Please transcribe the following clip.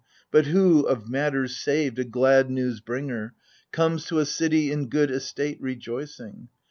But who, of matters saved a glad news bringer, Comes to a city in good estate rejoicing.